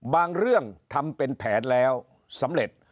บางเรื่องทำเป็นแผนแล้วสำเร็จ